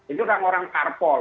itu kan orang karpol